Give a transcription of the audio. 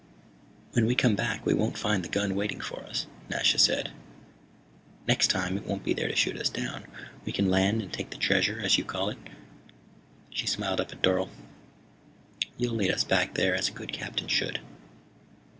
"When we come back we won't find the gun waiting for us," Nasha said. "Next time it won't be there to shoot us down. We can land and take the treasure, as you call it." She smiled up at Dorle. "You'll lead us back there, as a good captain should."